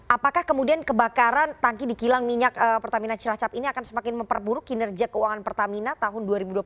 apakah kemudian kebakaran tangki di kilang minyak pertamina cilacap ini akan semakin memperburuk kinerja keuangan pertamina tahun dua ribu dua puluh satu